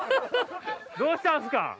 どうしたんすか？